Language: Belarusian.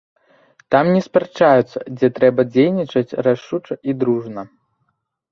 Там не спрачаюцца, дзе трэба дзейнічаць рашуча і дружна.